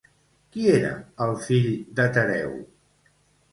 Qui era el fill de Tereu?